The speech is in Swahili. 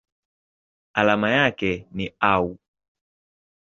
Alama yake ni Au.